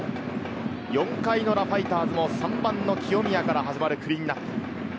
４回の裏、ファイターズの３番の清宮から始まるクリーンナップ。